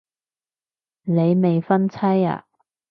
你未婚妻啊